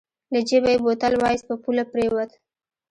له جېبه يې بوتل واېست په پوله پرېوت.